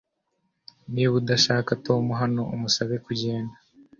Niba udashaka Tom hano umusabe kugenda